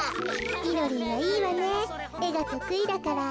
みろりんはいいわねえがとくいだから。